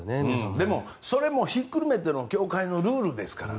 でもそれもひっくるめての協会のルールですから。